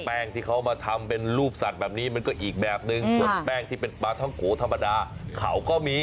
ที่เขามาทำเป็นรูปสัตว์แบบนี้มันก็อีกแบบนึงส่วนแป้งที่เป็นปลาท่องโกธรรมดาเขาก็มี